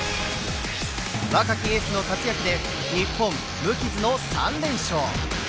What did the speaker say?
若きエースの活躍で日本、無傷の３連勝。